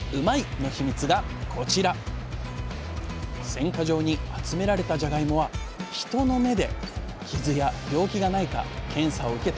選果場に集められたじゃがいもは人の目で傷や病気がないか検査を受けた